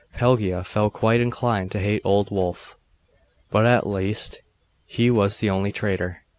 Pelagia felt quite inclined to hate old Wulf. But at least he was the only traitor.